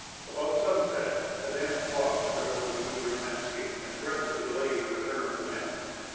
About sunset a dense fog spread over the wintry landscape and threatened to delay the return of the men.